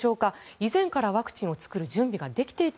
以前からワクチンを作る準備ができていた？